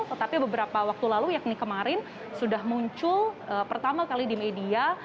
tetapi beberapa waktu lalu yakni kemarin sudah muncul pertama kali di media